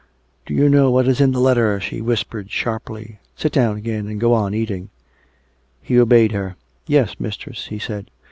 "Do you know what is in the letter?" she whispered sharply. (" Sit down again and go on eating.") He obeyed her. " Yes, mistress," he said.